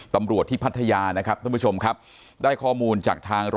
ตำรวจที่พัทยานะครับท่านผู้ชมครับได้ข้อมูลจากทาง